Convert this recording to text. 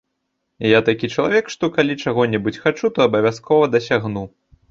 Я такі чалавек, што калі чаго-небудзь хачу, то абавязкова дасягну.